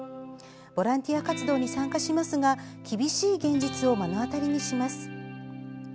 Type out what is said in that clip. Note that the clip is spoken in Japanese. ボランティア活動に参加しますが厳しい現実を目の当たりにします。